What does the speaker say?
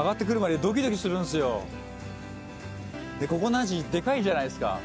ここのアジデカいじゃないですか。